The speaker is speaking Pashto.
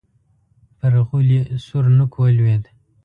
پر غولي سور نوک ولوېد.